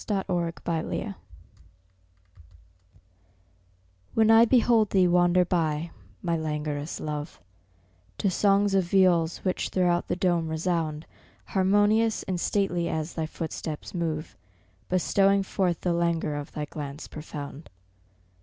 Illusionary Love When I behold thee wander by, my languorous love, To songs of viols which throughout the dome resound, Harmonious and stately as thy footsteps move, Bestowing forth the languor of thy glance profound.